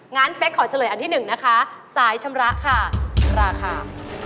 งั้นเป๊กขอเฉลยอันที่๑นะคะสายชำระค่ะราคา